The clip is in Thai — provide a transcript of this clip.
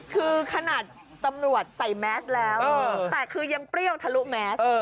คือขนาดตำรวจใส่แมสแล้วแต่คือยังเปรี้ยวทะลุแมส